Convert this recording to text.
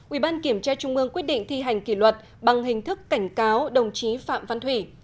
ủy ban kiểm tra trung ương quyết định thi hành kỷ luật bằng hình thức cảnh cáo đồng chí phạm văn thủy